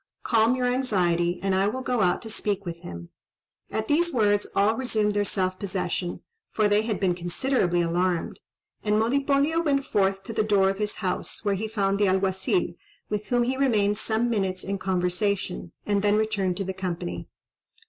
Calm your anxiety, and I will go out to speak with him." At these words all resumed their self possession, for they had been considerably alarmed; and Monipodio went forth to the door of his house, where he found the Alguazil, with whom he remained some minutes in conversation, and then returned to the company.